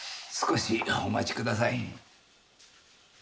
少しお待ちください。